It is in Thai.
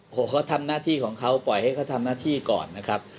โอ้โหเขาทำหน้าที่ของเขาปล่อยให้เขาทำหน้าที่ก่อนนะครับ